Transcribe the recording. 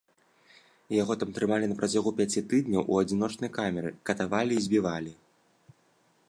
Яго там трымалі на працягу пяці тыдняў у адзіночнай камеры, катавалі і збівалі.